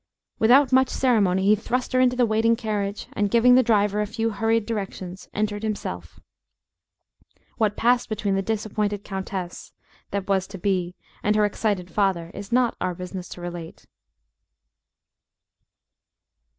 Without much ceremony he thrust her into the waiting carriage, and, giving the driver a few hurried directions, entered himself. What passed between the disappointed countess, that was to be, and her excited father, it is not our business to relate.